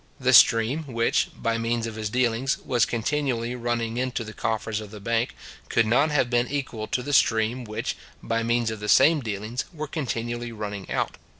The stream which, by means of his dealings, was continually running into the coffers of the bank, could not have been equal to the stream which, by means of the same dealings was continually running out.